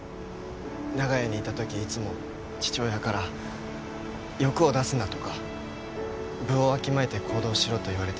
長屋にいた時いつも父親から「欲を出すな」とか「分をわきまえて行動しろ」と言われてきました。